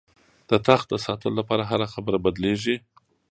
د تخت د ساتلو لپاره هره خبره بدلېږي.